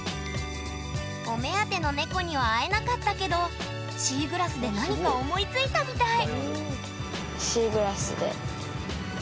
お目当ての猫には会えなかったけどシーグラスで何か思いついたみたい！